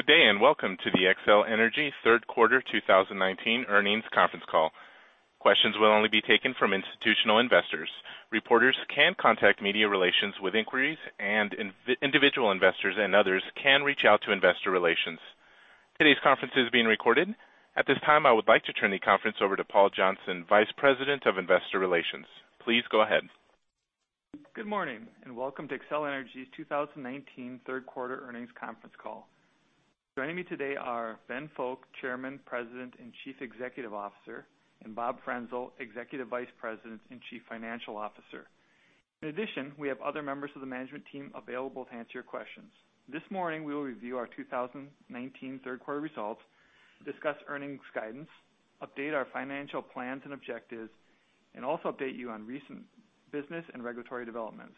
Good day, welcome to the Xcel Energy third quarter 2019 earnings conference call. Questions will only be taken from institutional investors. Reporters can contact Media Relations with inquiries, and individual investors and others can reach out to Investor Relations. Today's conference is being recorded. At this time, I would like to turn the conference over to Paul Johnson, Vice President of Investor Relations. Please go ahead. Good morning, and welcome to Xcel Energy's 2019 third quarter earnings conference call. Joining me today are Ben Fowke, Chairman, President, and Chief Executive Officer, Bob Frenzel, Executive Vice President and Chief Financial Officer. In addition, we have other members of the management team available to answer your questions. This morning, we will review our 2019 third quarter results, discuss earnings guidance, update our financial plans and objectives, and also update you on recent business and regulatory developments.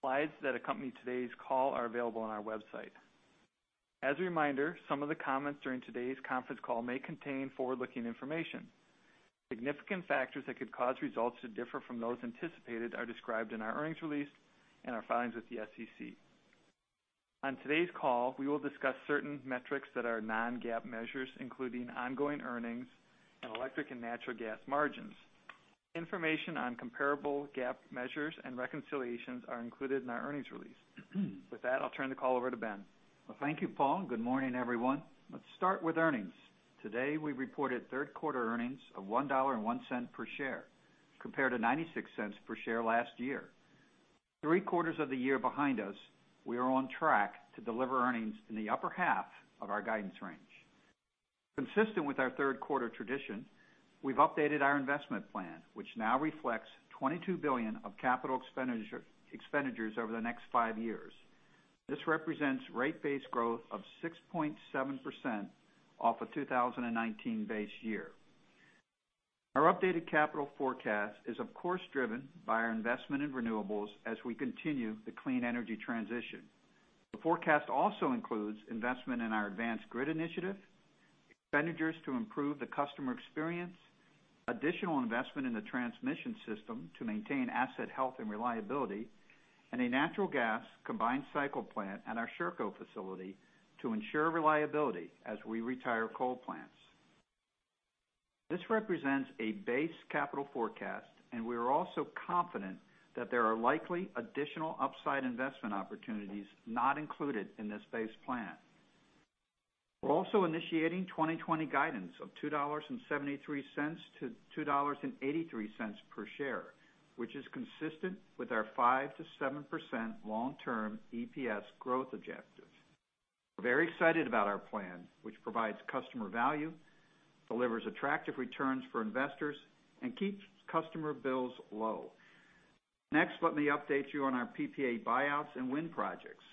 Slides that accompany today's call are available on our website. As a reminder, some of the comments during today's conference call may contain forward-looking information. Significant factors that could cause results to differ from those anticipated are described in our earnings release and our filings with the SEC. On today's call, we will discuss certain metrics that are non-GAAP measures, including ongoing earnings and electric and natural gas margins. Information on comparable GAAP measures and reconciliations are included in our earnings release. With that, I'll turn the call over to Ben. Well, thank you, Paul. Good morning, everyone. Let's start with earnings. Today, we reported third-quarter earnings of $1.01 per share compared to $0.96 per share last year. Three quarters of the year behind us, we are on track to deliver earnings in the upper half of our guidance range. Consistent with our third-quarter tradition, we've updated our investment plan, which now reflects $22 billion of capital expenditures over the next five years. This represents rate base growth of 6.7% off a 2019 base year. Our updated capital forecast is of course driven by our investment in renewables as we continue the clean energy transition. The forecast also includes investment in our advanced grid initiative, expenditures to improve the customer experience, additional investment in the transmission system to maintain asset health and reliability, and a natural gas combined cycle plant at our Sherco facility to ensure reliability as we retire coal plants. This represents a base capital forecast. We are also confident that there are likely additional upside investment opportunities not included in this base plan. We're also initiating 2020 guidance of $2.73 to $2.83 per share, which is consistent with our 5%-7% long-term EPS growth objectives. We're very excited about our plan, which provides customer value, delivers attractive returns for investors, and keeps customer bills low. Next, let me update you on our PPA buyouts and wind projects.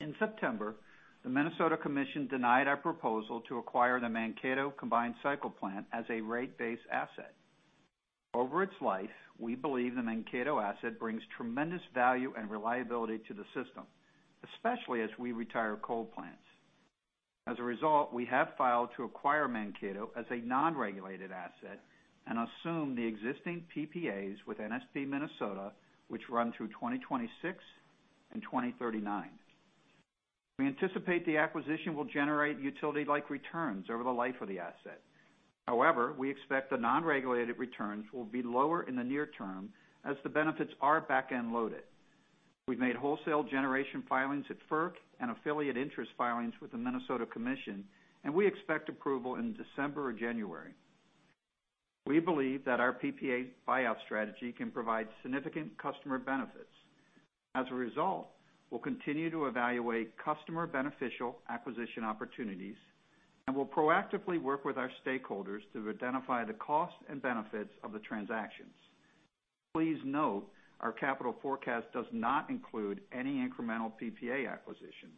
In September, the Minnesota Commission denied our proposal to acquire the Mankato combined cycle plant as a rate base asset. Over its life, we believe the Mankato asset brings tremendous value and reliability to the system, especially as we retire coal plants. As a result, we have filed to acquire Mankato as a non-regulated asset and assume the existing PPAs with NSP Minnesota, which run through 2026 and 2039. We anticipate the acquisition will generate utility-like returns over the life of the asset. However, we expect the non-regulated returns will be lower in the near term as the benefits are back-end loaded. We've made wholesale generation filings at FERC and affiliate interest filings with the Minnesota Commission, and we expect approval in December or January. We believe that our PPA buyout strategy can provide significant customer benefits. As a result, we'll continue to evaluate customer-beneficial acquisition opportunities, and we'll proactively work with our stakeholders to identify the costs and benefits of the transactions. Please note our capital forecast does not include any incremental PPA acquisitions.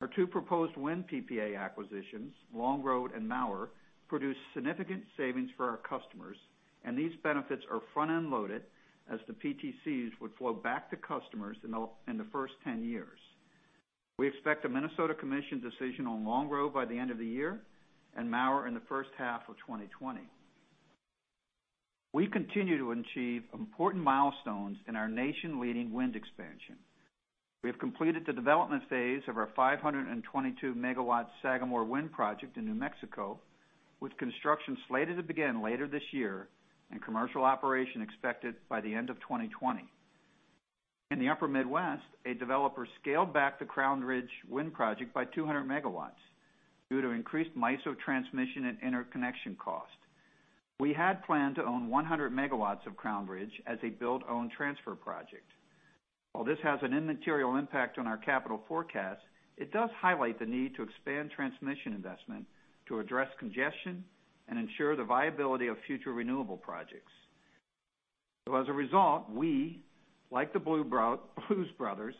Our two proposed wind PPA acquisitions, Longroad and Mower, produce significant savings for our customers, and these benefits are front-end loaded as the PTCs would flow back to customers in the first 10 years. We expect a Minnesota Commission decision on Longroad by the end of the year and Mower in the first half of 2020. We continue to achieve important milestones in our nation-leading wind expansion. We have completed the development phase of our 522-megawatt Sagamore wind project in New Mexico, with construction slated to begin later this year and commercial operation expected by the end of 2020. In the upper Midwest, a developer scaled back the Crown Ridge wind project by 200 megawatts due to increased MISO transmission and interconnection cost. We had planned to own 100 MW of Crown Ridge as a build own transfer project. While this has an immaterial impact on our capital forecast, it does highlight the need to expand transmission investment to address congestion and ensure the viability of future renewable projects. As a result, we, like The Blues Brothers,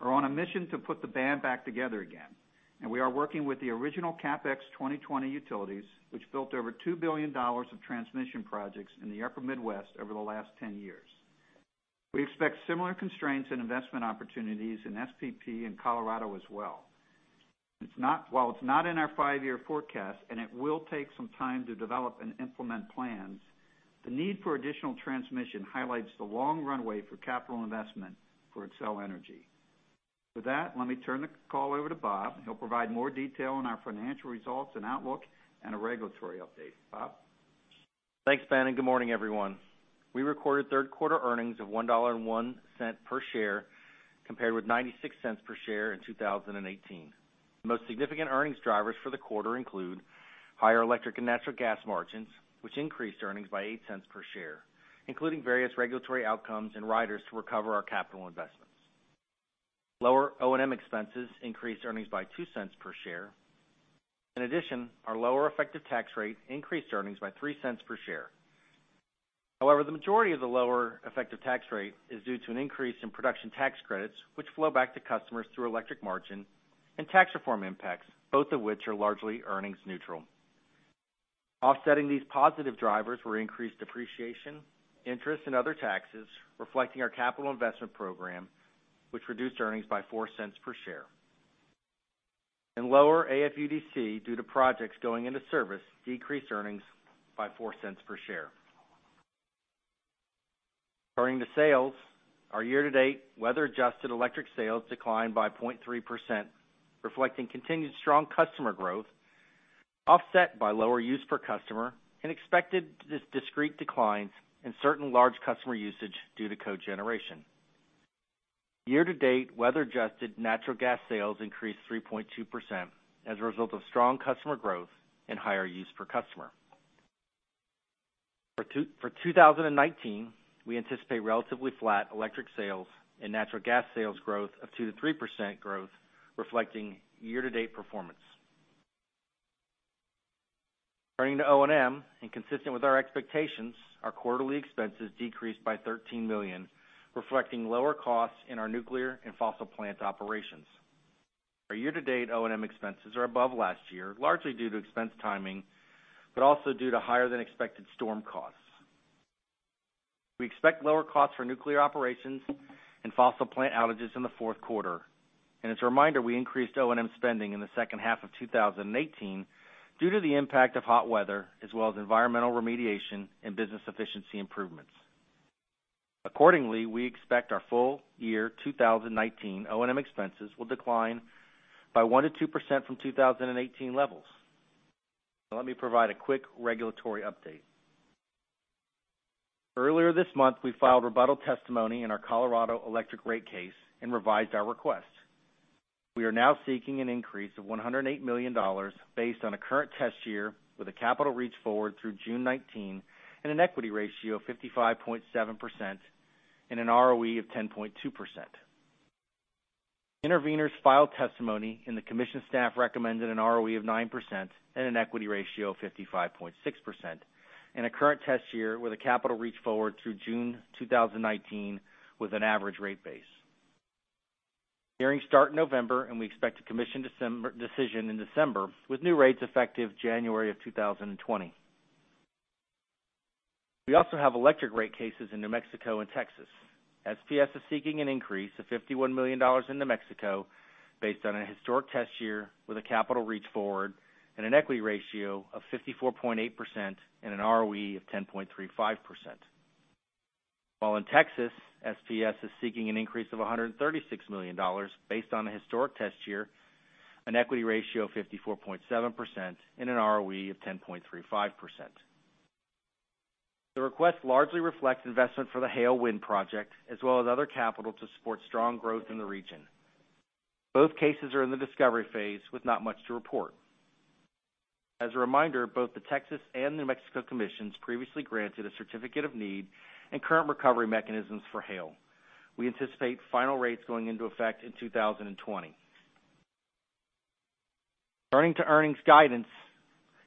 are on a mission to put the band back together again, and we are working with the original CapX2020 utilities, which built over $2 billion of transmission projects in the upper Midwest over the last 10 years. We expect similar constraints and investment opportunities in SPP in Colorado as well. While it's not in our five-year forecast, and it will take some time to develop and implement plans, the need for additional transmission highlights the long runway for capital investment for Xcel Energy. With that, let me turn the call over to Bob. He'll provide more detail on our financial results and outlook, and a regulatory update. Bob? Thanks, Ben. Good morning, everyone. We recorded third-quarter earnings of $1.01 per share compared with $0.96 per share in 2018. The most significant earnings drivers for the quarter include higher electric and natural gas margins, which increased earnings by $0.08 per share, including various regulatory outcomes and riders to recover our capital investments. Lower O&M expenses increased earnings by $0.02 per share. In addition, our lower effective tax rate increased earnings by $0.03 per share. However, the majority of the lower effective tax rate is due to an increase in production tax credits, which flow back to customers through electric margin and tax reform impacts, both of which are largely earnings neutral. Offsetting these positive drivers were increased depreciation, interest, and other taxes reflecting our capital investment program, which reduced earnings by $0.04 per share. Lower AFUDC due to projects going into service decreased earnings by $0.04 per share. Turning to sales, our year-to-date weather-adjusted electric sales declined by 0.3%, reflecting continued strong customer growth, offset by lower use per customer and expected discrete declines in certain large customer usage due to cogeneration. Year-to-date weather-adjusted natural gas sales increased 3.2% as a result of strong customer growth and higher use per customer. For 2019, we anticipate relatively flat electric sales and natural gas sales growth of 2%-3% reflecting year-to-date performance. Turning to O&M, consistent with our expectations, our quarterly expenses decreased by $13 million, reflecting lower costs in our nuclear and fossil plant operations. Our year-to-date O&M expenses are above last year, largely due to expense timing, but also due to higher than expected storm costs. We expect lower costs for nuclear operations and fossil plant outages in the fourth quarter. As a reminder, we increased O&M spending in the second half of 2018 due to the impact of hot weather, as well as environmental remediation and business efficiency improvements. Accordingly, we expect our full year 2019 O&M expenses will decline by 1%-2% from 2018 levels. Let me provide a quick regulatory update. Earlier this month, we filed rebuttal testimony in our Colorado electric rate case and revised our request. We are now seeking an increase of $108 million based on a current test year with a capital reach forward through June 2019 and an equity ratio of 55.7% and an ROE of 10.2%. Intervenors filed testimony, the commission staff recommended an ROE of 9% and an equity ratio of 55.6%, and a current test year with a capital reach forward through June 2019 with an average rate base. Hearings start in November, we expect a commission decision in December with new rates effective January of 2020. We also have electric rate cases in New Mexico and Texas. SPS is seeking an increase of $51 million in New Mexico based on a historic test year with a capital reach forward and an equity ratio of 54.8% and an ROE of 10.35%. While in Texas, SPS is seeking an increase of $136 million based on a historic test year, an equity ratio of 54.7%, and an ROE of 10.35%. The request largely reflects investment for the Hale Wind project, as well as other capital to support strong growth in the region. Both cases are in the discovery phase with not much to report. As a reminder, both the Texas and New Mexico commissions previously granted a certificate of need and current recovery mechanisms for Hale. We anticipate final rates going into effect in 2020. Turning to earnings guidance.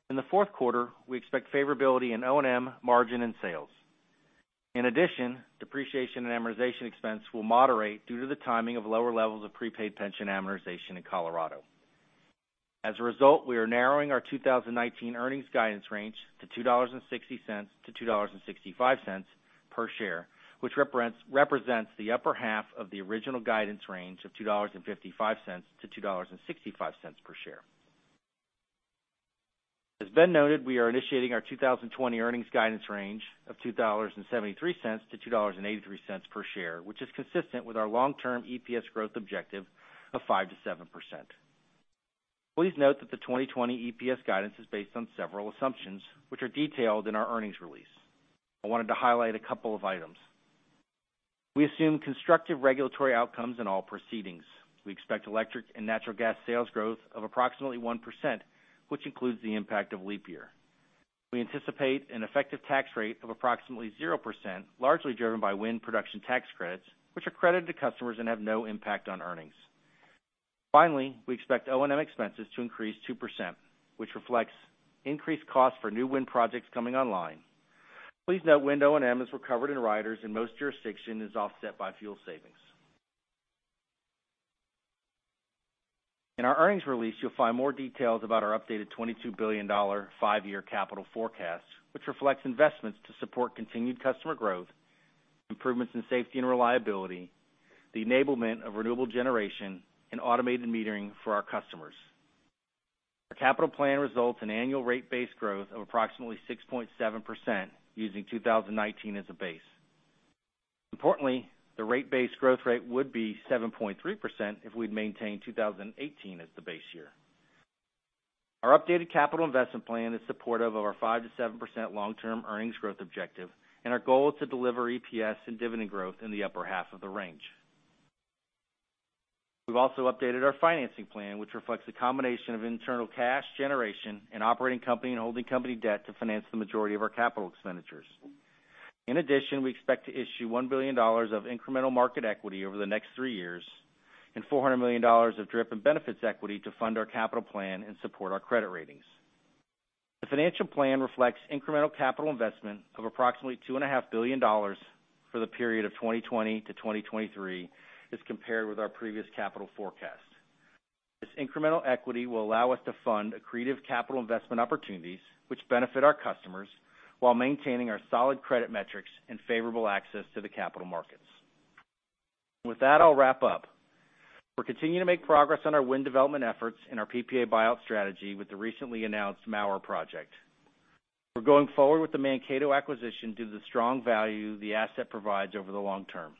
In the fourth quarter, we expect favorability in O&M margin and sales. Depreciation and amortization expense will moderate due to the timing of lower levels of prepaid pension amortization in Colorado. We are narrowing our 2019 earnings guidance range to $2.60-$2.65 per share, which represents the upper half of the original guidance range of $2.55-$2.65 per share. As Ben noted, we are initiating our 2020 earnings guidance range of $2.73-$2.83 per share, which is consistent with our long-term EPS growth objective of 5%-7%. Please note that the 2020 EPS guidance is based on several assumptions, which are detailed in our earnings release. I wanted to highlight a couple of items. We assume constructive regulatory outcomes in all proceedings. We expect electric and natural gas sales growth of approximately 1%, which includes the impact of leap year. We anticipate an effective tax rate of approximately 0%, largely driven by wind production tax credits, which are credited to customers and have no impact on earnings. Finally, we expect O&M expenses to increase 2%, which reflects increased costs for new wind projects coming online. Please note wind O&M is recovered in riders and most jurisdiction is offset by fuel savings. In our earnings release, you'll find more details about our updated $22 billion five-year capital forecast, which reflects investments to support continued customer growth, improvements in safety and reliability, the enablement of renewable generation, and automated metering for our customers. Our capital plan results in annual rate base growth of approximately 6.7% using 2019 as a base. Importantly, the rate base growth rate would be 7.3% if we'd maintained 2018 as the base year. Our updated capital investment plan is supportive of our 5%-7% long-term earnings growth objective. Our goal is to deliver EPS and dividend growth in the upper half of the range. We've also updated our financing plan, which reflects a combination of internal cash generation and operating company and holding company debt to finance the majority of our capital expenditures. In addition, we expect to issue $1 billion of incremental market equity over the next three years and $400 million of DRIP and benefits equity to fund our capital plan and support our credit ratings. The financial plan reflects incremental capital investment of approximately $2.5 billion for the period of 2020 to 2023 as compared with our previous capital forecast. This incremental equity will allow us to fund accretive capital investment opportunities, which benefit our customers while maintaining our solid credit metrics and favorable access to the capital markets. With that, I'll wrap up. We're continuing to make progress on our wind development efforts and our PPA buyout strategy with the recently announced Mower project. We're going forward with the Mankato acquisition due to the strong value the asset provides over the long term.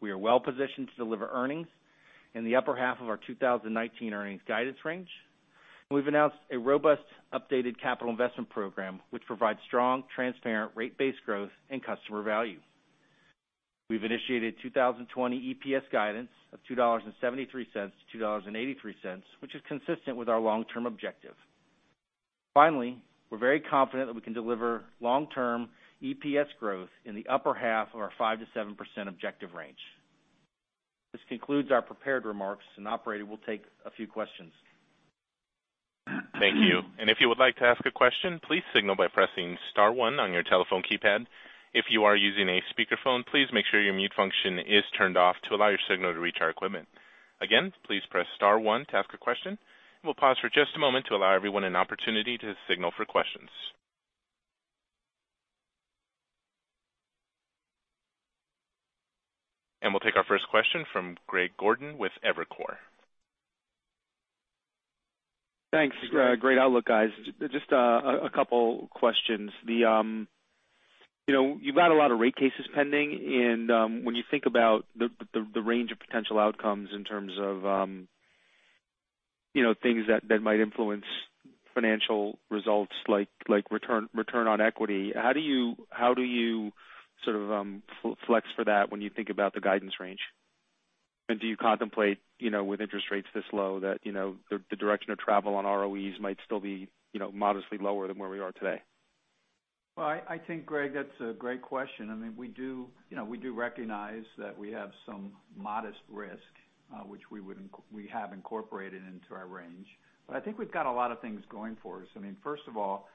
We are well-positioned to deliver earnings in the upper half of our 2019 earnings guidance range, and we've announced a robust updated capital investment program, which provides strong, transparent rate base growth and customer value. We've initiated 2020 EPS guidance of $2.73 to $2.83, which is consistent with our long-term objective. Finally, we're very confident that we can deliver long-term EPS growth in the upper half of our 5%-7% objective range. This concludes our prepared remarks. Operator, we'll take a few questions. Thank you. If you would like to ask a question, please signal by pressing *1 on your telephone keypad. If you are using a speakerphone, please make sure your mute function is turned off to allow your signal to reach our equipment. Again, please press *1 to ask a question. We'll pause for just a moment to allow everyone an opportunity to signal for questions. We'll take our first question from Greg Gordon with Evercore. Thanks. Great outlook, guys. Just a couple questions. You've got a lot of rate cases pending. When you think about the range of potential outcomes in terms of things that might influence financial results like return on equity, how do you sort of flex for that when you think about the guidance range? Do you contemplate, with interest rates this low, that the direction of travel on ROEs might still be modestly lower than where we are today? I think, Greg, that's a great question. We do recognize that we have some modest risk, which we have incorporated into our range. I think we've got a lot of things going for us. First of all,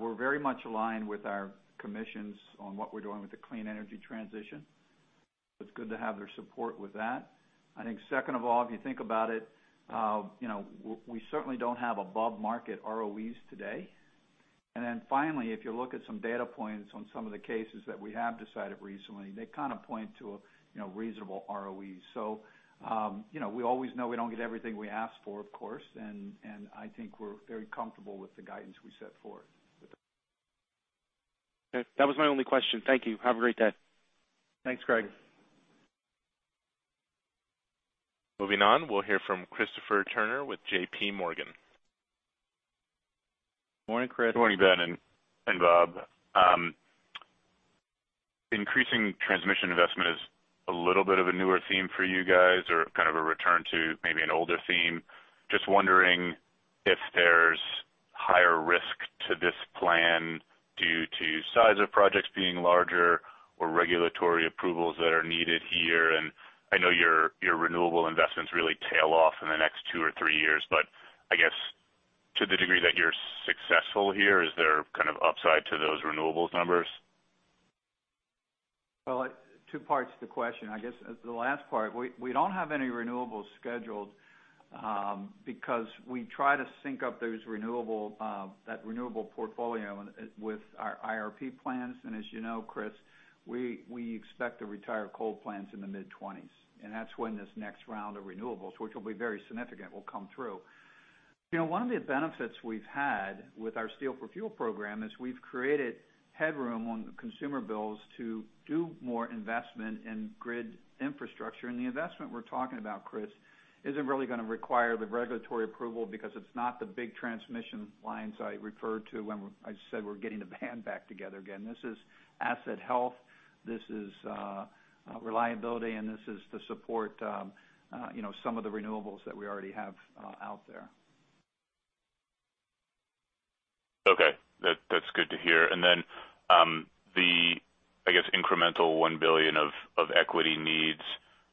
we're very much aligned with our commissions on what we're doing with the clean energy transition. It's good to have their support with that. I think second of all, if you think about it, we certainly don't have above-market ROEs today. Finally, if you look at some data points on some of the cases that we have decided recently, they kind of point to a reasonable ROE. We always know we don't get everything we ask for, of course, and I think we're very comfortable with the guidance we set forth. Okay. That was my only question. Thank you. Have a great day. Thanks, Greg. Moving on, we'll hear from Christopher Turner with JPMorgan. Morning, Chris. Morning, Ben and Bob. Increasing transmission investment is a little bit of a newer theme for you guys or kind of a return to maybe an older theme. Just wondering if there's higher risk to this plan due to size of projects being larger or regulatory approvals that are needed here? I know your renewable investments really tail off in the next two or three years, but I guess to the degree that you're successful here, is there kind of upside to those renewables numbers? Well, two parts to the question. I guess as to the last part, we don't have any renewables scheduled because we try to sync up that renewable portfolio with our IRP plans. As you know, Chris, we expect to retire coal plants in the mid-20s, and that's when this next round of renewables, which will be very significant, will come through. One of the benefits we've had with our Steel for Fuel program is we've created headroom on consumer bills to do more investment in grid infrastructure. The investment we're talking about, Chris, isn't really going to require the regulatory approval because it's not the big transmission lines I referred to when I said we're getting the band back together again. This is asset health, this is reliability, and this is to support some of the renewables that we already have out there. Okay. That's good to hear. The, I guess, incremental $1 billion of equity needs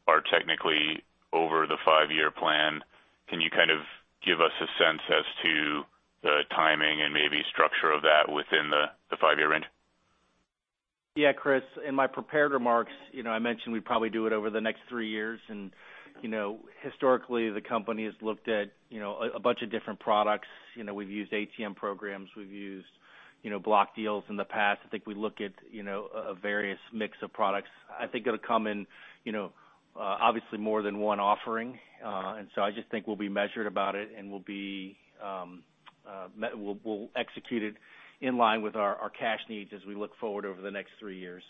are technically over the five-year plan. Can you kind of give us a sense as to the timing and maybe structure of that within the five-year range? Yeah, Chris, in my prepared remarks, I mentioned we'd probably do it over the next three years. Historically, the company has looked at a bunch of different products. We've used ATM programs. We've used block deals in the past. I think we look at a various mix of products. I think it'll come in obviously more than one offering. I just think we'll be measured about it, and we'll execute it in line with our cash needs as we look forward over the next three years.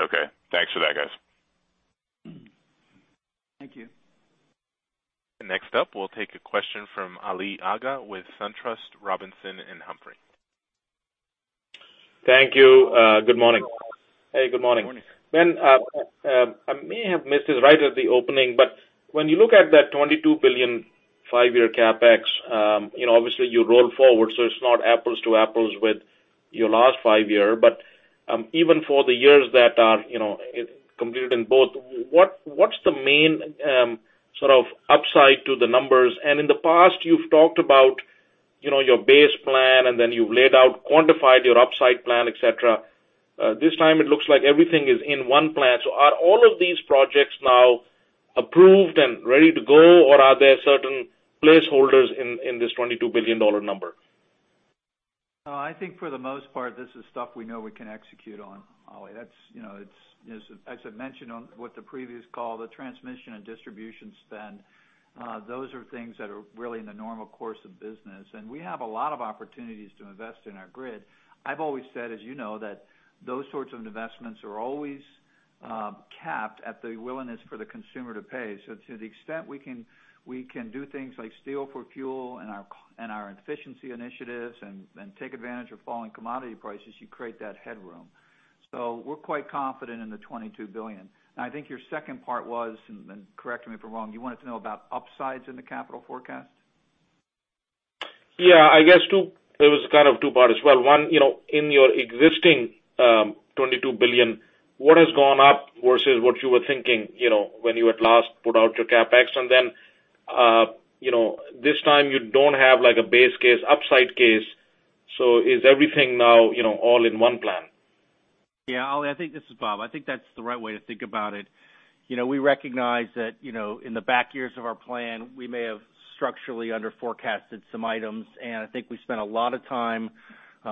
Okay. Thanks for that, guys. Thank you. Next up, we'll take a question from Ali Agha with SunTrust Robinson Humphrey. Thank you. Good morning. Good morning. Hey, good morning. Ben, I may have missed this right at the opening, but when you look at that $22 billion five-year CapEx, obviously you roll forward, so it's not apples to apples with your last five-year. Even for the years that are completed in both, what's the main sort of upside to the numbers? In the past, you've talked about your base plan, and then you've laid out, quantified your upside plan, et cetera. This time it looks like everything is in one plan. Are all of these projects now approved and ready to go, or are there certain placeholders in this $22 billion number? I think for the most part, this is stuff we know we can execute on, Ali. As I mentioned on what the previous call, the transmission and distribution spend, those are things that are really in the normal course of business. We have a lot of opportunities to invest in our grid. I've always said, as you know, that those sorts of investments are always capped at the willingness for the consumer to pay. To the extent we can do things like Steel for Fuel and our efficiency initiatives and take advantage of falling commodity prices, you create that headroom. We're quite confident in the $22 billion. I think your second part was, and correct me if I'm wrong, you wanted to know about upsides in the capital forecast? Yeah, I guess there was kind of two-part as well. One, in your existing $22 billion, what has gone up versus what you were thinking when you had last put out your CapEx? This time you don't have like a base case, upside case, is everything now all in one plan? Yeah, Ali, this is Bob. I think that's the right way to think about it. We recognize that in the back years of our plan, we may have structurally under-forecasted some items. I think we spent a lot of time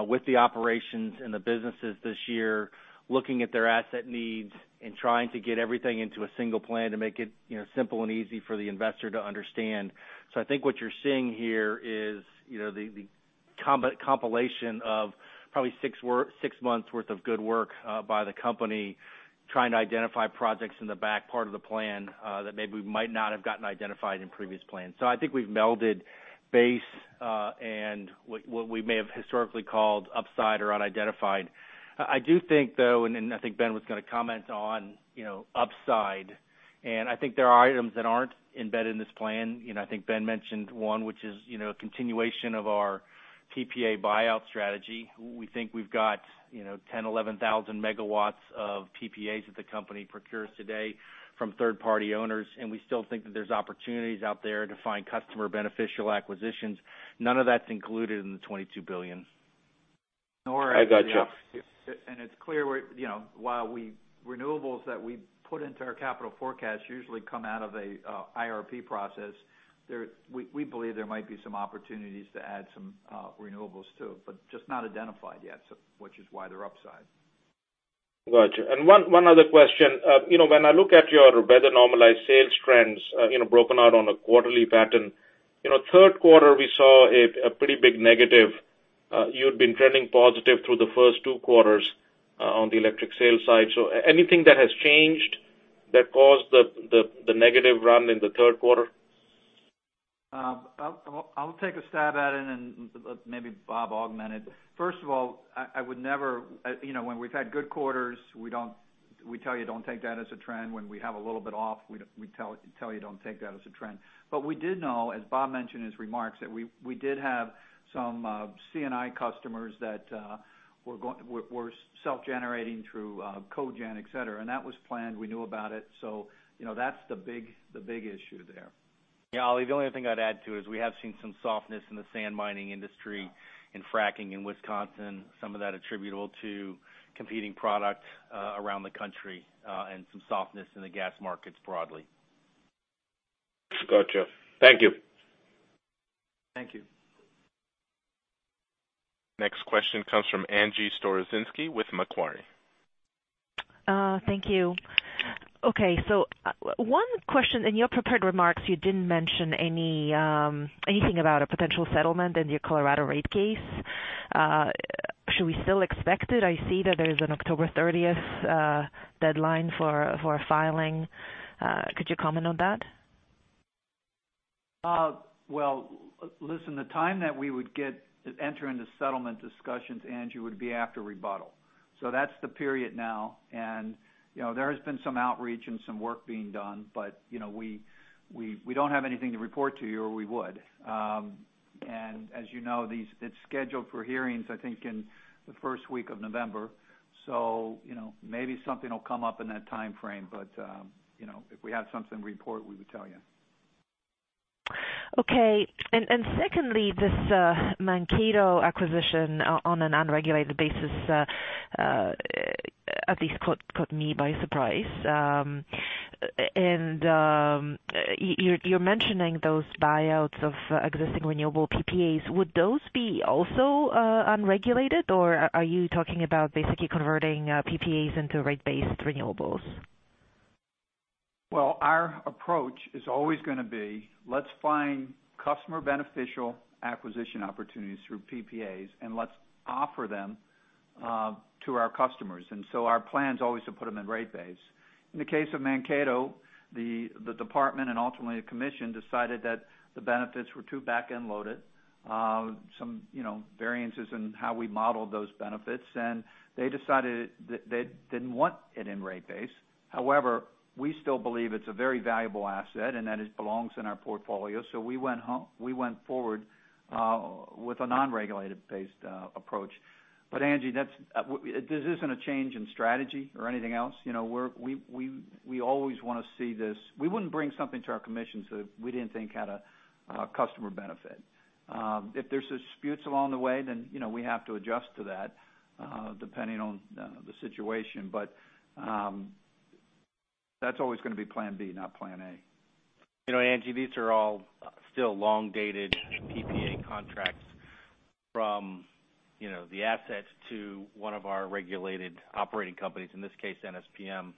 with the operations and the businesses this year looking at their asset needs and trying to get everything into a single plan to make it simple and easy for the investor to understand. I think what you're seeing here is the compilation of probably six months' worth of good work by the company trying to identify projects in the back part of the plan that maybe might not have gotten identified in previous plans. I think we've melded base and what we may have historically called upside or unidentified. I do think, though, I think Ben was going to comment on upside. I think there are items that aren't embedded in this plan. I think Ben mentioned one, which is a continuation of our PPA buyout strategy. We think we've got 10,000, 11,000 megawatts of PPAs that the company procures today from third-party owners. We still think that there's opportunities out there to find customer beneficial acquisitions. None of that's included in the $22 billion. I gotcha. It's clear, while renewables that we put into our capital forecast usually come out of an IRP process, we believe there might be some opportunities to add some renewables, too, but just not identified yet, so which is why they're upside. Gotcha. One other question. When I look at your weather-normalized sales trends broken out on a quarterly pattern, third quarter, we saw a pretty big negative. You'd been trending positive through the first two quarters on the electric sales side. Anything that has changed that caused the negative run in the third quarter? I'll take a stab at it and maybe Bob augment it. First of all, when we've had good quarters, we tell you don't take that as a trend. When we have a little bit off, we tell you don't take that as a trend. We did know, as Bob mentioned in his remarks, that we did have some C&I customers that were self-generating through cogen, et cetera, and that was planned. We knew about it. That's the big issue there. Yeah, Ali, the only other thing I'd add, too, is we have seen some softness in the sand mining industry in fracking in Wisconsin, some of that attributable to competing product around the country, and some softness in the gas markets broadly. Gotcha. Thank you. Thank you. Next question comes from Angie Storozynski with Macquarie. Thank you. Okay, one question. In your prepared remarks, you didn't mention anything about a potential settlement in your Colorado rate case. Should we still expect it? I see that there's an October 30th deadline for a filing. Could you comment on that? Well, listen, the time that we would enter into settlement discussions, Angie, would be after rebuttal. That's the period now, and there has been some outreach and some work being done. We don't have anything to report to you or we would. As you know, it's scheduled for hearings, I think, in the first week of November, maybe something will come up in that timeframe. If we have something to report, we would tell you. Okay. Secondly, this Mankato acquisition on an unregulated basis, at least, caught me by surprise. You're mentioning those buyouts of existing renewable PPAs. Would those be also unregulated, or are you talking about basically converting PPAs into rate-based renewables? Well, our approach is always going to be, let's find customer beneficial acquisition opportunities through PPAs, and let's offer them to our customers. Our plan's always to put them in rate base. In the case of Mankato, the department, and ultimately the commission, decided that the benefits were too back-end loaded. Some variances in how we modeled those benefits, and they decided that they didn't want it in rate base. However, we still believe it's a very valuable asset and that it belongs in our portfolio, so we went forward with a non-regulated-based approach. Angie, this isn't a change in strategy or anything else. We always want to see this. We wouldn't bring something to our commission that we didn't think had a customer benefit. If there's disputes along the way, then we have to adjust to that, depending on the situation. That's always going to be plan B, not plan A. Angie, these are all still long-dated PPA contracts from the assets to one of our regulated operating companies, in this case, NSPM.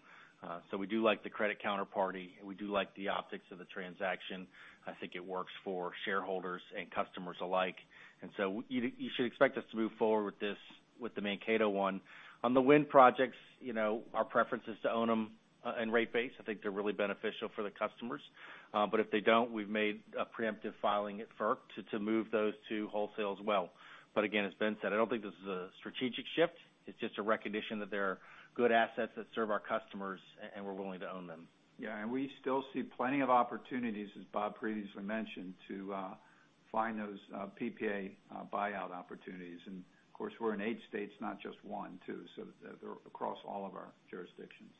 We do like the credit counterparty, and we do like the optics of the transaction. I think it works for shareholders and customers alike. You should expect us to move forward with this, with the Mankato one. On the wind projects, our preference is to own them in rate base. I think they're really beneficial for the customers. If they don't, we've made a preemptive filing at FERC to move those to wholesale as well. Again, as Ben said, I don't think this is a strategic shift. It's just a recognition that they're good assets that serve our customers, and we're willing to own them. We still see plenty of opportunities, as Bob previously mentioned, to find those PPA buyout opportunities. Of course, we're in eight states, not just one too, so they're across all of our jurisdictions.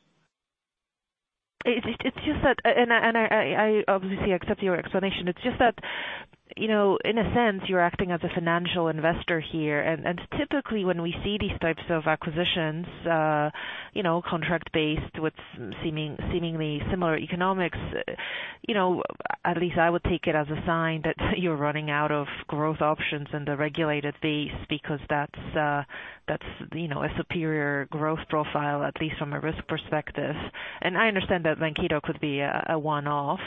It's just that, and I obviously accept your explanation. It's just that, in a sense, you're acting as a financial investor here, and typically, when we see these types of acquisitions, contract-based with seemingly similar economics, at least I would take it as a sign that you're running out of growth options in the regulated base because that's a superior growth profile, at least from a risk perspective. I understand that Mankato could be a one-off.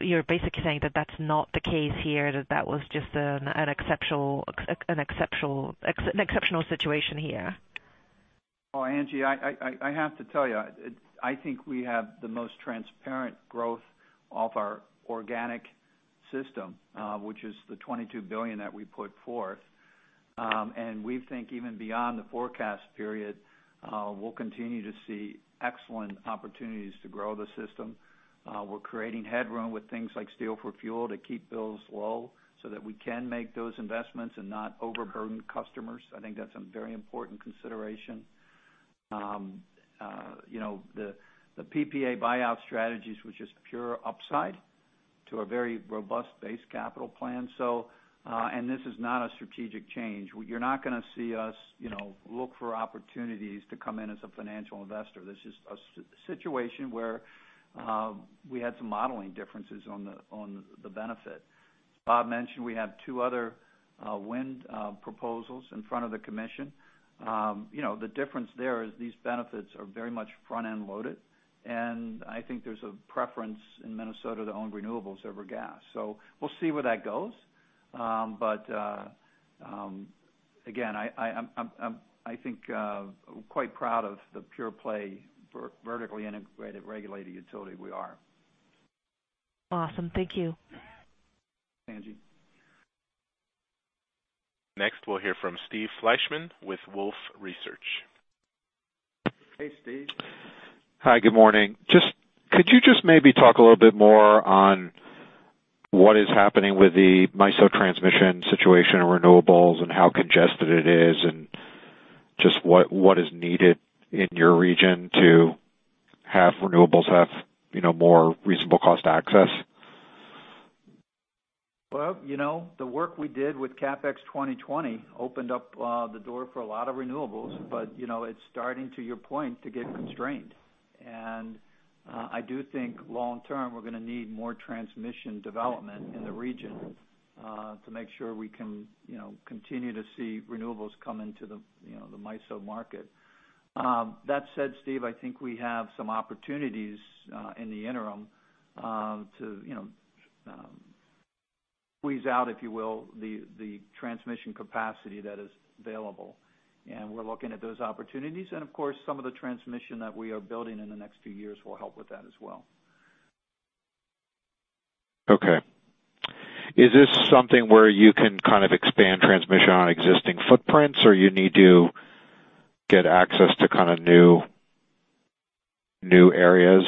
You're basically saying that that's not the case here, that that was just an exceptional situation here. Angie, I have to tell you, I think we have the most transparent growth of our organic system, which is the $22 billion that we put forth. We think even beyond the forecast period, we'll continue to see excellent opportunities to grow the system. We're creating headroom with things like Steel for Fuel to keep bills low so that we can make those investments and not overburden customers. I think that's a very important consideration. The PPA buyout strategy is just pure upside to a very robust base capital plan. This is not a strategic change. You're not going to see us look for opportunities to come in as a financial investor. This is a situation where we had some modeling differences on the benefit. As Bob mentioned, we have two other wind proposals in front of the commission. The difference there is these benefits are very much front-end loaded, and I think there's a preference in Minnesota to own renewables over gas. We'll see where that goes. Again, I think I'm quite proud of the pure play for vertically integrated regulated utility we are. Awesome. Thank you. Thanks, Angie. Next, we'll hear from Steve Fleishman with Wolfe Research. Hey, Steve. Hi, good morning. Could you just maybe talk a little bit more on what is happening with the MISO transmission situation in renewables, and how congested it is, and just what is needed in your region to have renewables have more reasonable cost access? Well, the work we did with CapX2020 opened up the door for a lot of renewables. It's starting, to your point, to get constrained. I do think long term, we're going to need more transmission development in the region to make sure we can continue to see renewables come into the MISO market. That said, Steve, I think we have some opportunities in the interim to squeeze out, if you will, the transmission capacity that is available, and we're looking at those opportunities. Of course, some of the transmission that we are building in the next few years will help with that as well. Is this something where you can kind of expand transmission on existing footprints, or you need to get access to kind of new areas?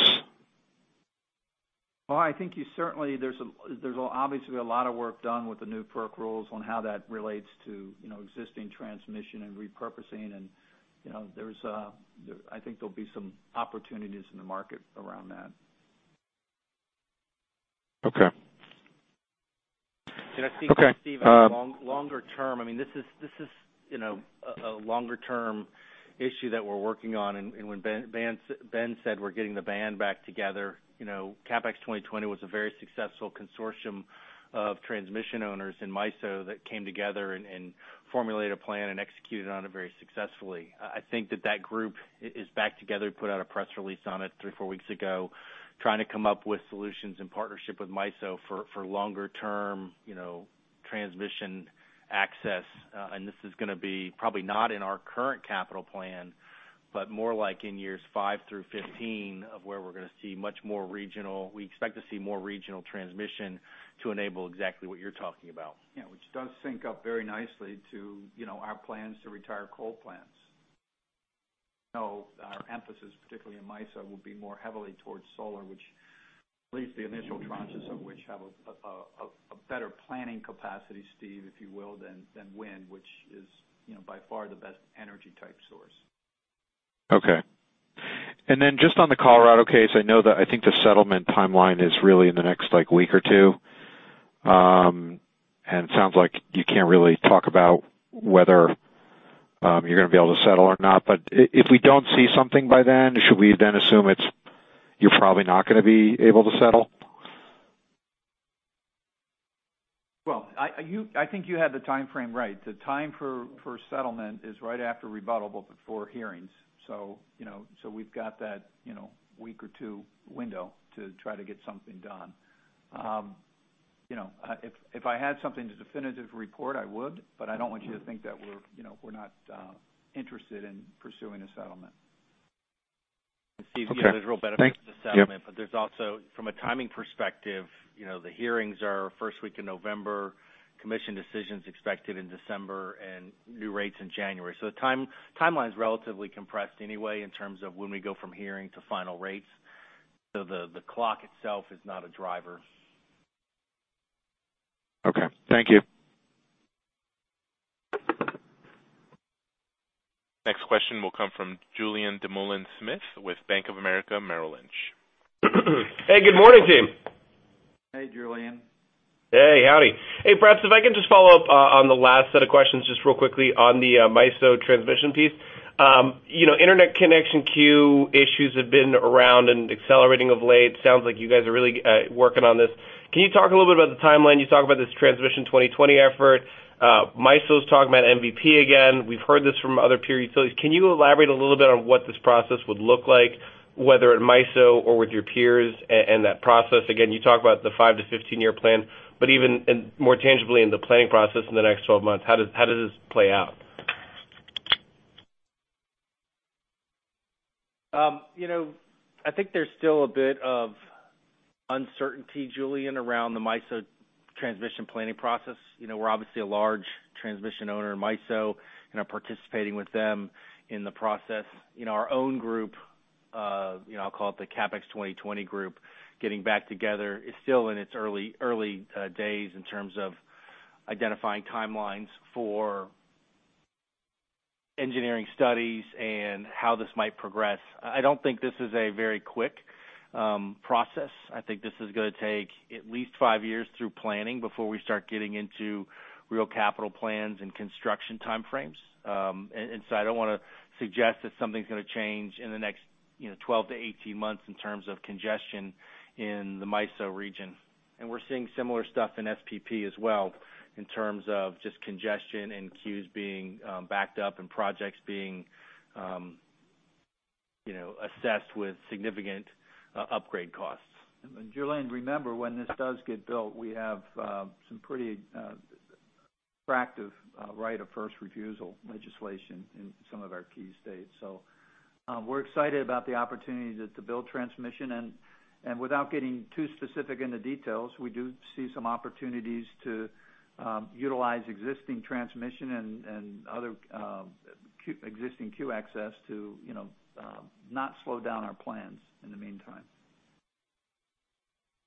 Well, there's obviously a lot of work done with the new FERC rules on how that relates to existing transmission and repurposing, and I think there'll be some opportunities in the market around that. Okay. I think, Steve. Okay. Longer term, this is a longer-term issue that we're working on. When Ben said we're getting the band back together, CapX2020 was a very successful consortium of transmission owners in MISO that came together and formulated a plan and executed on it very successfully. I think that group is back together, put out a press release on it three or four weeks ago, trying to come up with solutions in partnership with MISO for longer-term transmission access. This is going to be probably not in our current capital plan, but more like in years five through 15 of where we're going to see much more regional. We expect to see more regional transmission to enable exactly what you're talking about. Yeah, which does sync up very nicely to our plans to retire coal plants. Our emphasis, particularly in MISO, will be more heavily towards solar, which at least the initial tranches of which have a better planning capacity, Steve, if you will, than wind, which is by far the best energy type source. Okay. Just on the Colorado case, I know that I think the settlement timeline is really in the next week or two. It sounds like you can't really talk about whether you're going to be able to settle or not. If we don't see something by then, should we then assume you're probably not going to be able to settle? Well, I think you had the timeframe right. The time for settlement is right after rebuttal, but before hearings. We've got that week or two window to try to get something done. If I had something to definitively report, I would, but I don't want you to think that we're not interested in pursuing a settlement. Okay. Thanks. Yep. Steve, there's real benefits to settlement. There's also, from a timing perspective, the hearings are first week in November, commission decisions expected in December, and new rates in January. The timeline's relatively compressed anyway in terms of when we go from hearing to final rates. The clock itself is not a driver. Okay. Thank you. Next question will come from Julien Dumoulin-Smith with Bank of America Merrill Lynch. Hey, good morning, team. Hey, Julien. Hey, howdy. Hey, perhaps if I can just follow up on the last set of questions, just real quickly on the MISO transmission piece. Internet connection queue issues have been around and accelerating of late. Sounds like you guys are really working on this. Can you talk a little bit about the timeline? You talk about this Transmission 2020 effort. MISO's talking about MVP again. We've heard this from other peer utilities. Can you elaborate a little bit on what this process would look like, whether at MISO or with your peers, and that process? Again, you talk about the 5-to-15-year plan. Even more tangibly in the planning process in the next 12 months, how does this play out? I think there's still a bit of uncertainty, Julien, around the MISO transmission planning process. We're obviously a large transmission owner in MISO and are participating with them in the process. Our own group, I'll call it the CapX2020 group, getting back together is still in its early days in terms of identifying timelines for engineering studies and how this might progress. I don't think this is a very quick process. I think this is going to take at least five years through planning before we start getting into real capital plans and construction time frames. I don't want to suggest that something's going to change in the next 12 to 18 months in terms of congestion in the MISO region. We're seeing similar stuff in SPP as well in terms of just congestion and queues being backed up and projects being assessed with significant upgrade costs. Julien, remember, when this does get built, we have some pretty attractive right of first refusal legislation in some of our key states. We're excited about the opportunity to build transmission. Without getting too specific in the details, we do see some opportunities to utilize existing transmission and other existing queue access to not slow down our plans in the meantime.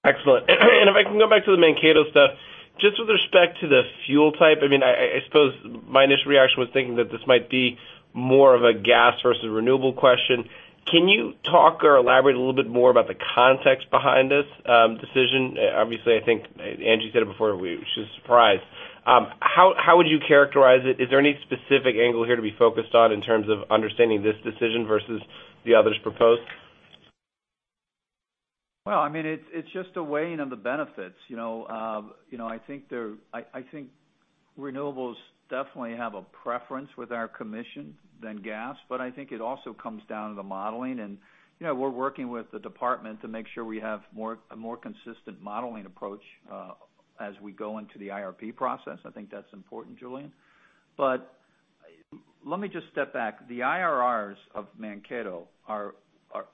Excellent. If I can go back to the Mankato stuff, just with respect to the fuel type. I suppose my initial reaction was thinking that this might be more of a gas versus renewable question. Can you talk or elaborate a little bit more about the context behind this decision? Obviously, I think Angie said it before, which is a surprise. How would you characterize it? Is there any specific angle here to be focused on in terms of understanding this decision versus the others proposed? Well, it's just a weighing of the benefits. I think renewables definitely have a preference with our commission than gas. I think it also comes down to the modeling. We're working with the department to make sure we have a more consistent modeling approach as we go into the IRP process. I think that's important, Julien. Let me just step back. The IRRs of Mankato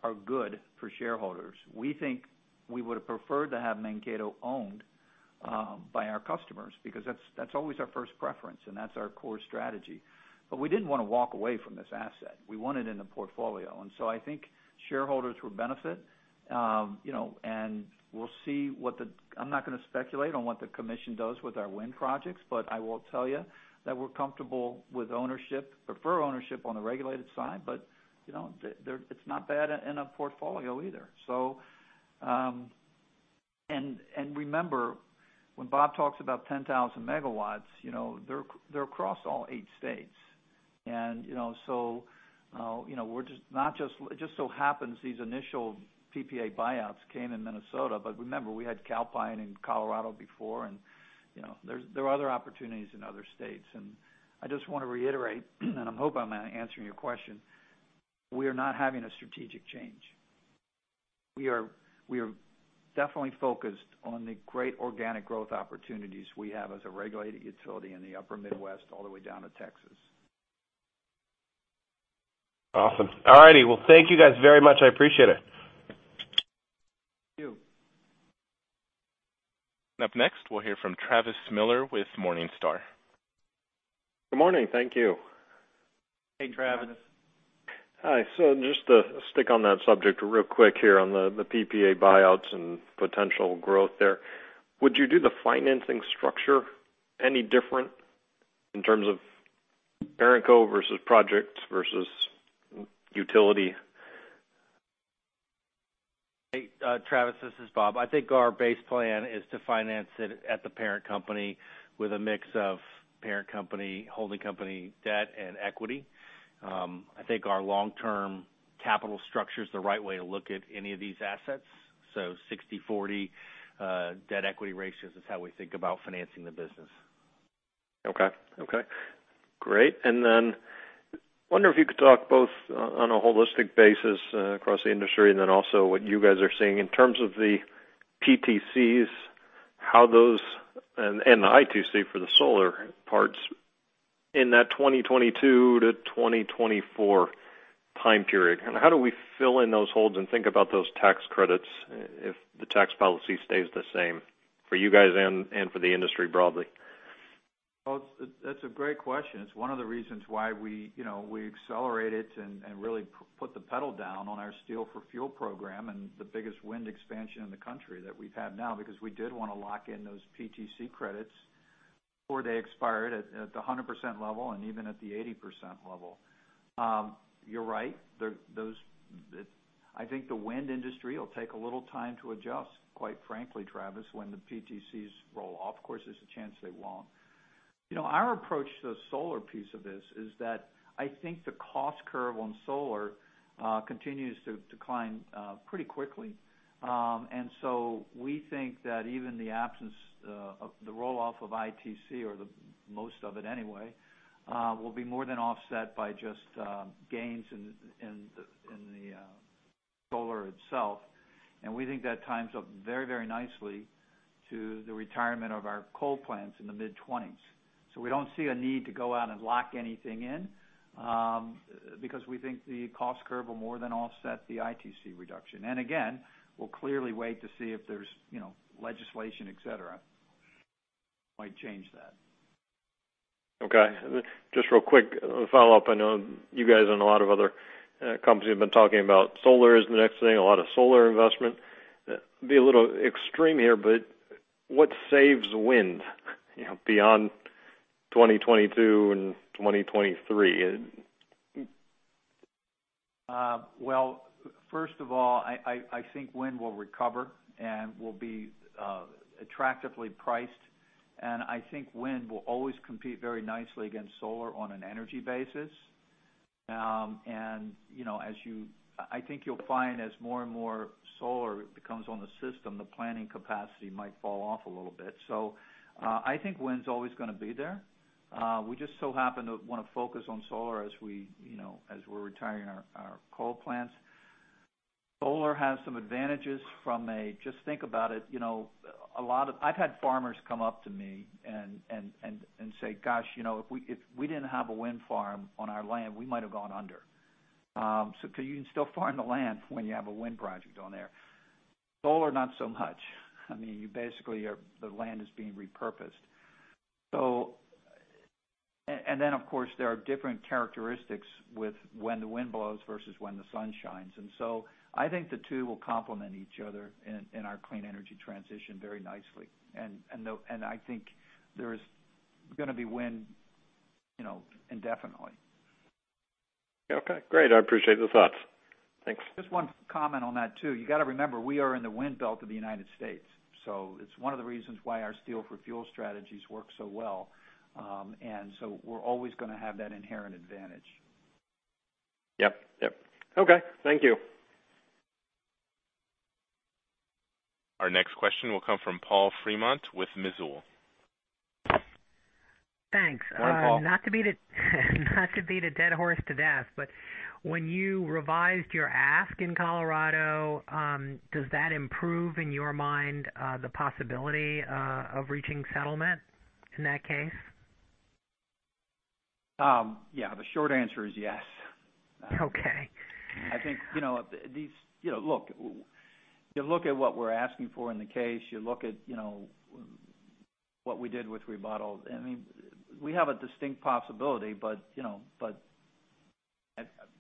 are good for shareholders. We think we would have preferred to have Mankato owned by our customers because that's always our first preference, and that's our core strategy. We didn't want to walk away from this asset. We want it in the portfolio. I think shareholders will benefit. We'll see what I'm not going to speculate on what the commission does with our wind projects, but I will tell you that we're comfortable with ownership, prefer ownership on the regulated side. It's not bad in a portfolio either. Remember, when Bob talks about 10,000 megawatts, they're across all eight states. It just so happens these initial PPA buyouts came in Minnesota, but remember, we had Calpine in Colorado before, and there are other opportunities in other states. I just want to reiterate, and I hope I'm answering your question, we are not having a strategic change. We are definitely focused on the great organic growth opportunities we have as a regulated utility in the upper Midwest all the way down to Texas. Awesome. All right. Well, thank you guys very much. I appreciate it. Thank you. Up next, we'll hear from Travis Miller with Morningstar. Good morning. Thank you. Hey, Travis. Hi. Just to stick on that subject real quick here on the PPA buyouts and potential growth there, would you do the financing structure any different in terms of parent co versus projects versus utility? Hey, Travis, this is Bob. I think our base plan is to finance it at the parent company with a mix of parent company, holding company debt and equity. I think our long-term capital structure is the right way to look at any of these assets. 60/40 debt equity ratios is how we think about financing the business. Okay. Great. Then I wonder if you could talk both on a holistic basis across the industry, and then also what you guys are seeing in terms of the PTCs, how those, and the ITC for the solar parts in that 2022 to 2024 time period. How do we fill in those holes and think about those tax credits if the tax policy stays the same for you guys and for the industry broadly? Well, that's a great question. It's one of the reasons why we accelerated and really put the pedal down on our Steel for Fuel program and the biggest wind expansion in the country that we've had now, because we did want to lock in those PTC credits before they expired at the 100% level, and even at the 80% level. You're right. I think the wind industry will take a little time to adjust, quite frankly, Travis, when the PTCs roll off. Of course, there's a chance they won't. Our approach to the solar piece of this is that I think the cost curve on solar continues to decline pretty quickly. We think that even the absence of the roll-off of ITC, or the most of it anyway, will be more than offset by just gains in the solar itself. We think that ties up very nicely to the retirement of our coal plants in the mid-20s. We don't see a need to go out and lock anything in, because we think the cost curve will more than offset the ITC reduction. Again, we'll clearly wait to see if there's legislation, et cetera, might change that. Okay. Just real quick follow-up. I know you guys and a lot of other companies have been talking about solar as the next thing, a lot of solar investment. Be a little extreme here, but what saves wind beyond 2022 and 2023? Well, first of all, I think wind will recover and will be attractively priced. I think wind will always compete very nicely against solar on an energy basis. I think you'll find as more and more solar becomes on the system, the planning capacity might fall off a little bit. I think wind's always going to be there. We just so happen to want to focus on solar as we're retiring our coal plants. Solar has some advantages from just think about it. I've had farmers come up to me and say, "Gosh, if we didn't have a wind farm on our land, we might have gone under." You can still farm the land when you have a wind project on there. Solar, not so much. Basically, the land is being repurposed. Of course, there are different characteristics with when the wind blows versus when the sun shines. I think the two will complement each other in our clean energy transition very nicely. I think there is going to be wind indefinitely. Okay, great. I appreciate the thoughts. Thanks. Just one comment on that, too. You got to remember, we are in the wind belt of the United States, so it's one of the reasons why our Steel for Fuel strategies work so well. We're always going to have that inherent advantage. Yep. Okay, thank you. Our next question will come from Paul Fremont with Mizuho. Thanks. Go on, Paul. Not to beat a dead horse to death, but when you revised your ask in Colorado, does that improve, in your mind, the possibility of reaching settlement in that case? Yeah, the short answer is yes. Okay. You look at what we're asking for in the case, you look at what we did with rebuttal. We have a distinct possibility, but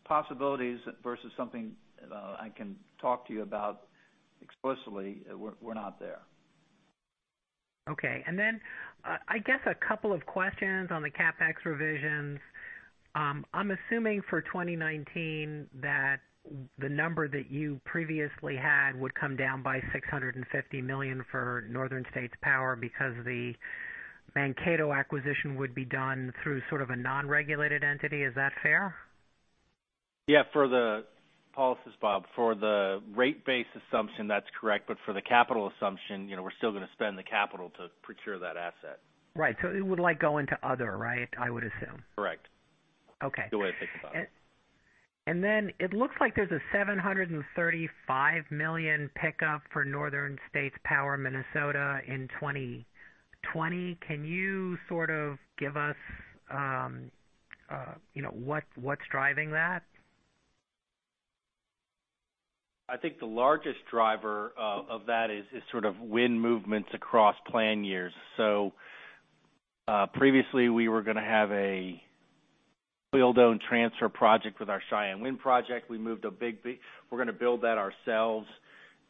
possibilities versus something I can talk to you about explicitly, we're not there. Okay. I guess a couple of questions on the CapEx revisions. I'm assuming for 2019 that the number that you previously had would come down by $650 million for Northern States Power because the Mankato acquisition would be done through sort of a non-regulated entity. Is that fair? Yeah. This is Bob. For the rate base assumption, that's correct. For the capital assumption, we're still going to spend the capital to procure that asset. Right. It would go into other, right? I would assume. Correct. Okay. The way to think about it. It looks like there's a $735 million pickup for Northern States Power Minnesota in 2020. Can you sort of give us what's driving that? I think the largest driver of that is sort of wind movements across plan years. Previously we were going to have a build-own-transfer project with our Cheyenne wind project. We're going to build that ourselves,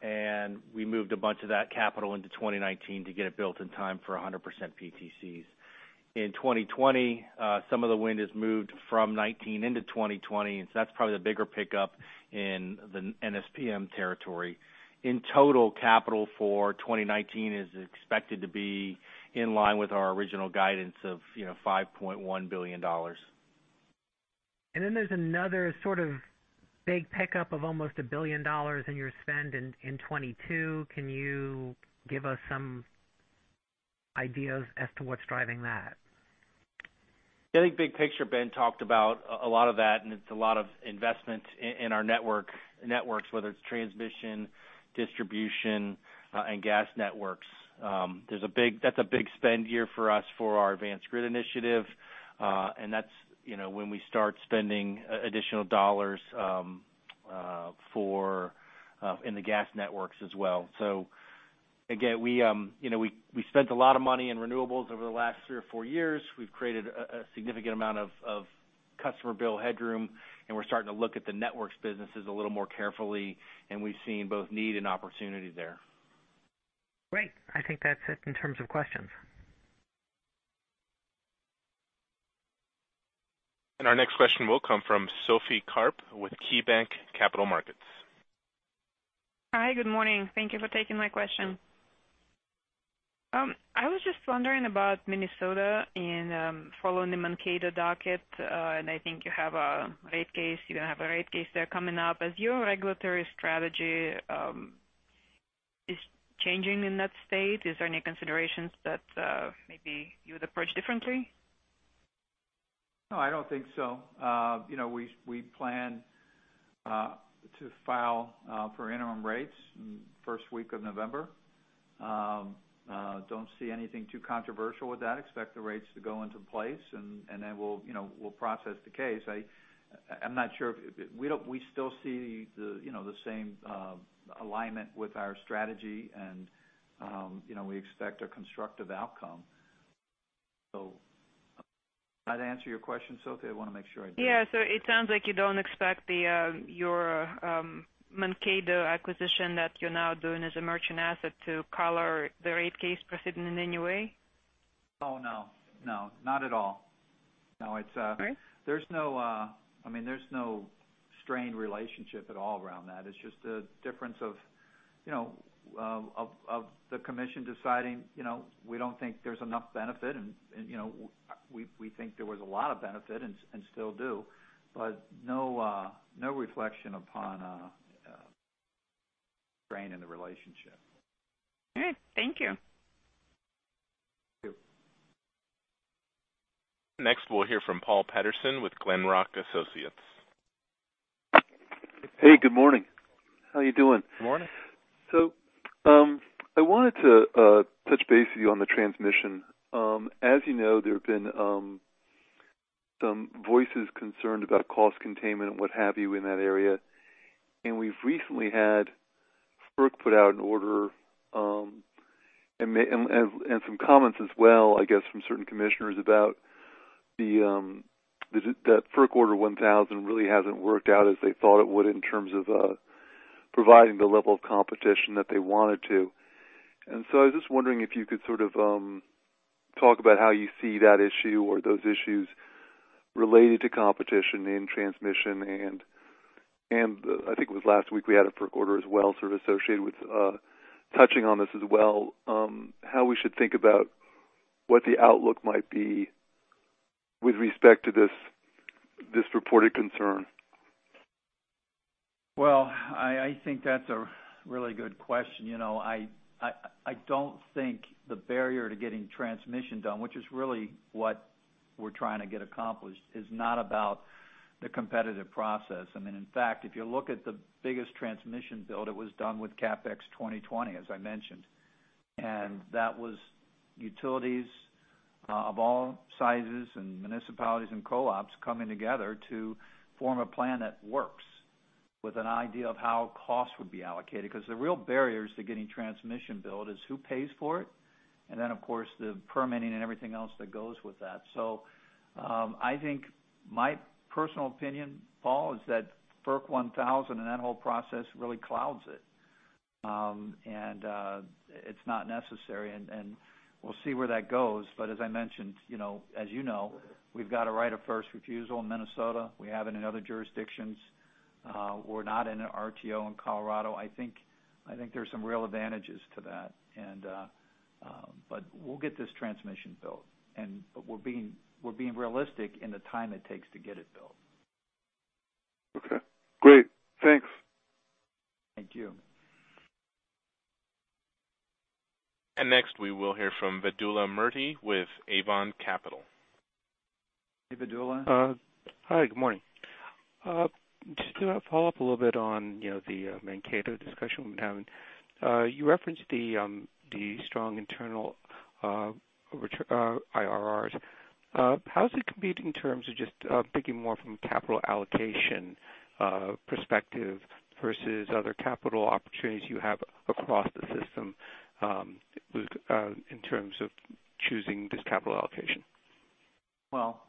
and we moved a bunch of that capital into 2019 to get it built in time for 100% PTCs. In 2020, some of the wind is moved from 2019 into 2020, that's probably the bigger pickup in the NSPM territory. In total, capital for 2019 is expected to be in line with our original guidance of $5.1 billion. Then there's another sort of big pickup of almost $1 billion in your spend in 2022. Can you give us some ideas as to what's driving that? I think big picture, Ben talked about a lot of that, and it's a lot of investment in our networks, whether it's transmission, distribution, and gas networks. That's a big spend year for us for our Advanced Grid Initiative. That's when we start spending additional $ in the gas networks as well. Again, we spent a lot of money in renewables over the last three or four years. We've created a significant amount of customer bill headroom, and we're starting to look at the networks businesses a little more carefully, and we've seen both need and opportunity there. Great. I think that's it in terms of questions. Our next question will come from Sophie Karp with KeyBanc Capital Markets. Hi, good morning. Thank you for taking my question. I was just wondering about Minnesota in following the Mankato docket. I think you have a rate case there coming up. Is your regulatory strategy changing in that state? Is there any considerations that maybe you would approach differently? No, I don't think so. We plan to file for interim rates first week of November. Don't see anything too controversial with that. Expect the rates to go into place, and then we'll process the case. We still see the same alignment with our strategy, and we expect a constructive outcome. Did I answer your question, Sophie? I want to make sure I did. It sounds like you don't expect your Mankato acquisition that you're now doing as a merchant asset to color the rate case proceeding in any way? Oh, no. Not at all. No. All right. There's no strained relationship at all around that. It's just a difference of the Commission deciding we don't think there's enough benefit. We think there was a lot of benefit and still do, but no reflection upon strain in the relationship. All right. Thank you. Thank you. Next, we'll hear from Paul Patterson with Glenrock Associates. Hey, good morning. How are you doing? Good morning. I wanted to touch base with you on the transmission. As you know, there have been some voices concerned about cost containment and what have you in that area. We've recently had FERC put out an order, and some comments as well, I guess, from certain commissioners about that FERC Order No. 1000 really hasn't worked out as they thought it would in terms of providing the level of competition that they wanted to. I was just wondering if you could sort of talk about how you see that issue or those issues related to competition in transmission. I think it was last week, we had a FERC order as well sort of associated with touching on this as well, how we should think about what the outlook might be with respect to this reported concern. Well, I think that's a really good question. I don't think the barrier to getting transmission done, which is really what we're trying to get accomplished, is not about the competitive process. In fact, if you look at the biggest transmission build, it was done with CapX2020, as I mentioned. That was utilities of all sizes and municipalities and co-ops coming together to form a plan that works with an idea of how cost would be allocated, because the real barriers to getting transmission built is who pays for it, and then, of course, the permitting and everything else that goes with that. I think my personal opinion, Paul, is that FERC 1000 and that whole process really clouds it. It's not necessary, and we'll see where that goes. As I mentioned, as you know, we've got a right of first refusal in Minnesota. We have it in other jurisdictions. We're not in an RTO in Colorado. I think there's some real advantages to that. We'll get this transmission built, but we're being realistic in the time it takes to get it built. Okay, great. Thanks. Thank you. Next, we will hear from Vedula Murti with Avon Capital. Hey, Vedula. Hi, good morning. Just to follow up a little bit on the Mankato discussion we've been having. You referenced the strong internal IRRs. How does it compete in terms of just thinking more from capital allocation perspective versus other capital opportunities you have across the system in terms of choosing this capital allocation? Well,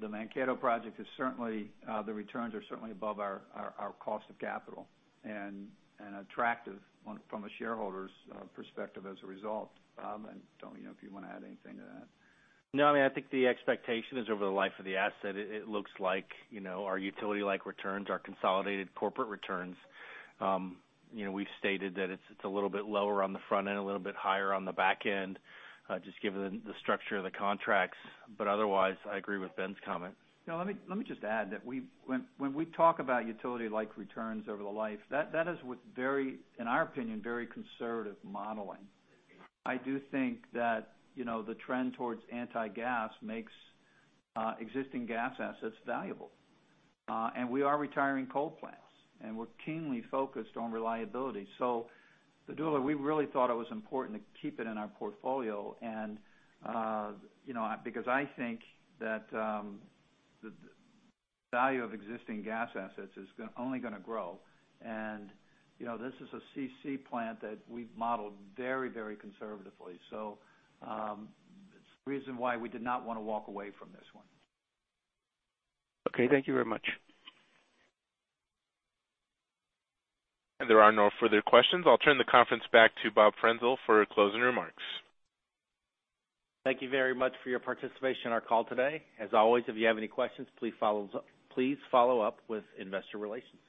the Mankato project, the returns are certainly above our cost of capital and attractive from a shareholder's perspective as a result. Tony, if you want to add anything to that. No, I think the expectation is over the life of the asset. It looks like our utility-like returns, our consolidated corporate returns. We've stated that it's a little bit lower on the front end, a little bit higher on the back end, just given the structure of the contracts. Otherwise, I agree with Ben's comment. Let me just add that when we talk about utility-like returns over the life, that is with, in our opinion, very conservative modeling. I do think that the trend towards anti-gas makes existing gas assets valuable. We are retiring coal plants, and we're keenly focused on reliability. Vedula, we really thought it was important to keep it in our portfolio, because I think that the value of existing gas assets is only going to grow. This is a CC plant that we've modeled very conservatively. It's the reason why we did not want to walk away from this one. Okay, thank you very much. There are no further questions. I'll turn the conference back to Bob Frenzel for closing remarks. Thank you very much for your participation on our call today. As always, if you have any questions, please follow up with investor relations.